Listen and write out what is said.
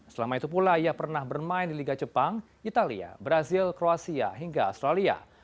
selama itu pula ia pernah bermain di liga jepang italia brazil kroasia hingga australia